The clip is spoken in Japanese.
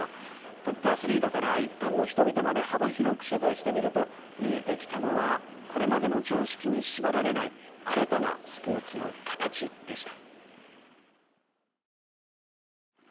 トップアスリートから一般の人々まで幅広く取材してみると見えてきたのはこれまでの常識に縛られない新たなスポーツの形でした。